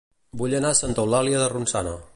Vull anar a Santa Eulàlia de Ronçana